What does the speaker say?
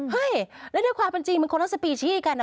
เฮ่ยแล้วในความจริงมันคนละสปีชีกันนะ